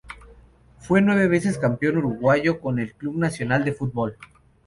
Fue nueve veces campeón uruguayo con el Club Nacional de Football.